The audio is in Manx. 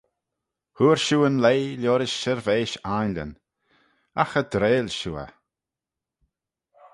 Hooar shiu yn leigh liorish shirveish ainleyn, agh cha dreill shiu eh.